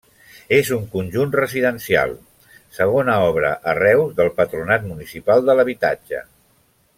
És un conjunt residencial, segona obra a Reus del Patronat Municipal de l'Habitatge.